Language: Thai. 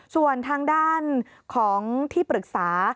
ส่วนทางด้านของที่ปรึกษา